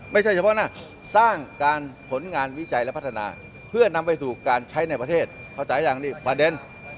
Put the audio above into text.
ไม่ใช่หมอน้าสร้างการผลงานวิจัยและพัฒนาเพื่อนำไปถูกการใช้ในประเทศเขาตายังประเด็น